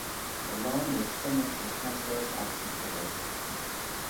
The line was similar to Hasbro's action figures.